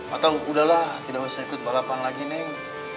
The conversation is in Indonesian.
atau udahlah tidak usah ikut balapan lagi nih